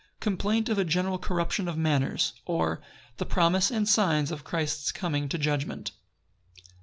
Complaint of a general corruption of manners; or, The promise and signs of Christ's coming to judgment.